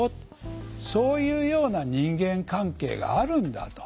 そういうような人間関係があるんだと。